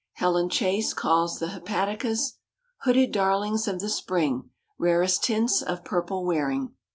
Helen Chase calls the Hepaticas "Hooded darlings of the spring, Rarest tints of purple wearing."